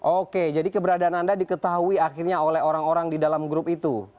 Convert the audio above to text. oke jadi keberadaan anda diketahui akhirnya oleh orang orang di dalam grup itu